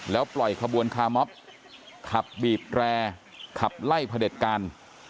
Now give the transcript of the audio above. แล้วปล่อยขบวนคามอบขับบีบแรขับไล่พระเด็จการ